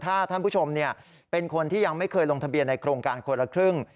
ถ้าท่านผู้ชมเป็นคนที่ยังไม่เคยลงทะเบียนในโครงการคนละครึ่ง